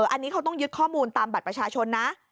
อันนี้เขาต้องยึดข้อมูลตามบัตรประชาชนนะ